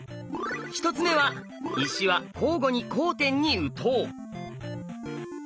１つ目は「石は交互に交点に打とう」。